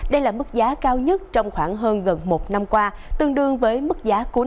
đây là mức giá cao nhất trong khoảng hơn gần một năm qua tương đương với mức giá cuối năm hai nghìn hai mươi